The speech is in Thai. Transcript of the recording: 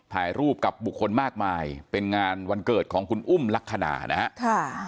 ถ่ายรูปกับบุคคลมากมายเป็นงานวันเกิดของคุณอุ้มลักษณะนะครับ